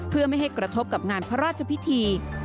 เพื่อไม่ให้กระทบกับงานพระราชพิธี